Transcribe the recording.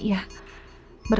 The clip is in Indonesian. saya juga ngeri